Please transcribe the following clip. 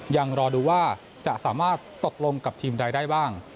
ยังรอดูว่าจะสามารถตกลงกับทีมใดได้บ้าง